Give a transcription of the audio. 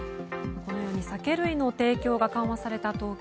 このように酒類の提供が緩和された東京。